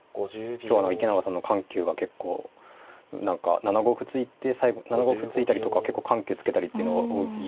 今日の池永さんの緩急が結構何か７五歩突いて最後７五歩突いたりとか結構緩急つけたりっていうのが多いですね。